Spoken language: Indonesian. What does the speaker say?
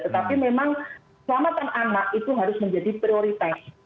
tetapi memang selamatan anak itu harus menjadi prioritas